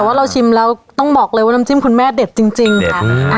แต่ว่าเราชิมแล้วต้องบอกเลยว่าน้ำจิ้มคุณแม่เด็ดจริงค่ะ